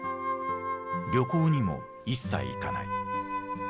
旅行にも一切行かない。